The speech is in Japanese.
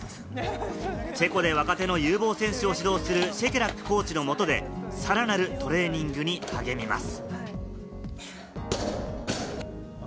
チェコで若手の有望選手を指導するシェケラックコーチのもとでさらなるトレーニングに励みます。